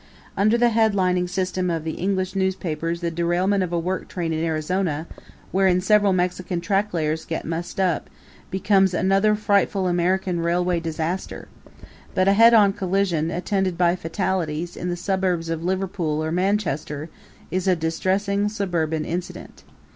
Under the headlining system of the English newspapers the derailment of a work train in Arizona, wherein several Mexican tracklayers get mussed up, becomes Another Frightful American Railway Disaster! But a head on collision, attended by fatalities, in the suburbs of Liverpool or Manchester is a Distressing Suburban Incident.